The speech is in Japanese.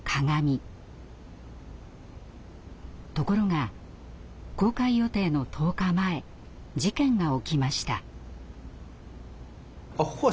ところが公開予定の１０日前事件が起きました。